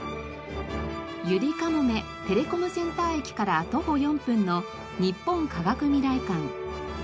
ゆりかもめテレコムセンター駅から徒歩４分の日本科学未来館。